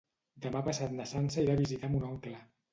Demà passat na Sança irà a visitar mon oncle.